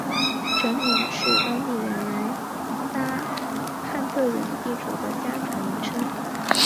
城名是当地原来汉特人地主的家族名称。